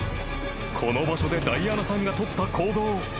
［この場所でダイアナさんが取った行動］